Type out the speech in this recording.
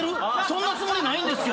そんなつもりないんですけど。